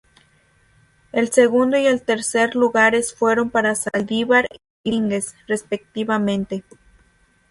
El segundo y el tercer lugares fueron para Zaldívar y Domínguez, respectivamente.